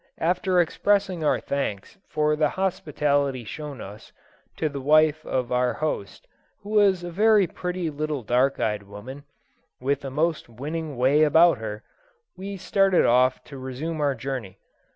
After expressing our thanks, for the hospitality shown us, to the wife of our host, who was a very pretty little dark eyed woman, with a most winning way about her, we started off to resume our journey.